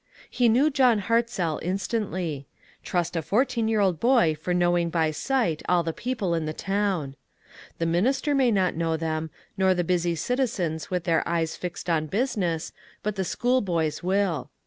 He knew John Hartzell instantly. Trust a fourteen year old boy for knowing by sight all the people in the town. The minister may not know them, nor the busy citizens with their eyes fixed on business, but the schoolboys will.